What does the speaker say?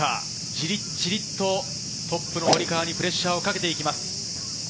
じりじりとトップの堀川にプレッシャーをかけていきます。